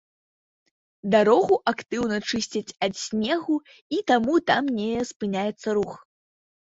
Дарогу актыўна чысцяць ад снегу і таму там не спыняецца рух.